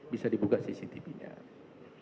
bisa dibuka cctv nya